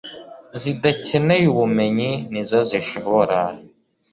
zidakeneye ubumenyi ni zo zishobora